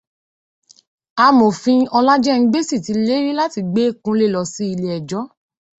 Amòfin Ọlájẹ́ngbésì ti lérí láti gbé Kúnlé lọ sílé ẹjọ́